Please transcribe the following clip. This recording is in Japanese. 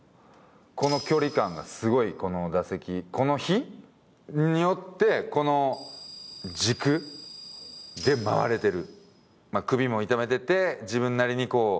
この距離感がすごい、打席この日によってこの軸で回れている。